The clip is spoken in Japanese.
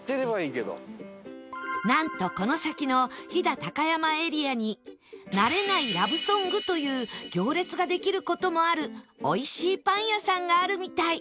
なんとこの先の飛騨高山エリアに慣れないラブソングという行列ができる事もあるおいしいパン屋さんがあるみたい